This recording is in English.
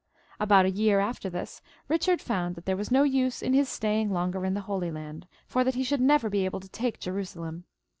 About a year after this, Eichard found that there was no use in his staying longer in the Holy Land, for that he should never be able to take Jerusalem.